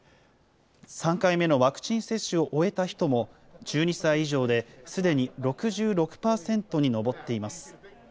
３回目のワクチン接種を終えた人も、１２歳以上ですでに６６％に上っています。